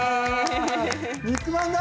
肉まんだ！